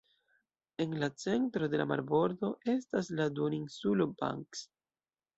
En la centro de la marbordo estas la Duoninsulo Banks.